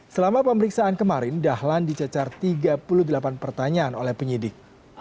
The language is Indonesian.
selama pemeriksaan kemarin dahlan dicecar tiga puluh delapan pertanyaan oleh penyidik